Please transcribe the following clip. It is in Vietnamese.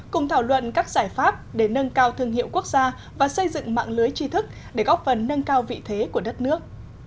cùng thảo luận các giải pháp để nâng cao thương hiệu quốc gia và xây dựng mạng lưới tri thức để góp phần nâng cao vị thế của đất nước